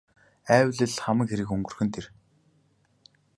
Айвал л хамаг хэрэг өнгөрөх нь тэр.